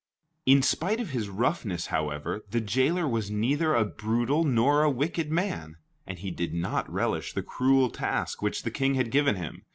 In spite of his roughness, however, the jailer was neither a brutal nor a wicked man, and he did not relish the cruel task which the King had given him.